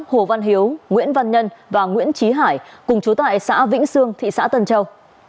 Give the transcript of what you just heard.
hồ văn hiếu nguyễn văn nhân và nguyễn trí hải cùng chú tại xã vĩnh sương thị xã tân châu